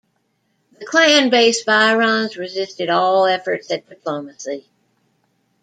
The clan-based Virons resisted all efforts at diplomacy.